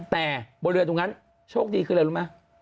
แต่บนเรือตรงนั้นโชคดีคืออะไรรู้ไหม